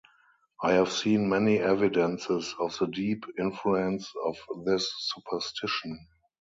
I have seen many evidences of the deep influence of this superstition.